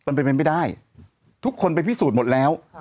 มันเป็นไปไม่ได้ทุกคนไปพิสูจน์หมดแล้ว